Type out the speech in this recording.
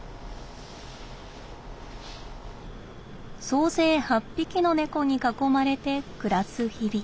総勢８匹の猫に囲まれて暮らす日々。